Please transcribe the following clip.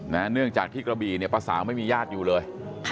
เนื่องจากที่กระบี่เนี่ยป้าสาวไม่มีญาติอยู่เลย